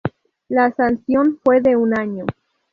La sanción fue de un año.